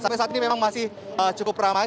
sampai saat ini memang masih cukup ramai